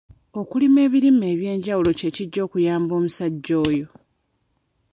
Okulima ebirime eby'enjawulo kye kijja okuyamba omusajja oyo.